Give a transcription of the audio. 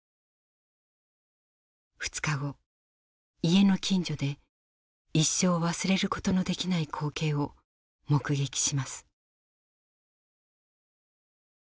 ２日後家の近所で一生忘れることのできない光景を目撃します。